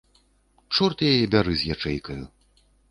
Чорт яе бяры з ячэйкаю.